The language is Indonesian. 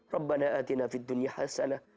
rabbana atina fid dunya hasanah